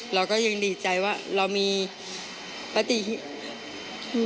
เราก็ยังดีใจว่าเรามีปฏิ